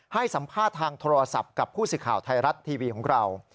ให้สัมภาษณ์ทางโทรศัพท์กับผู้สื่อข่าวไทยรัฐทีวีของเรา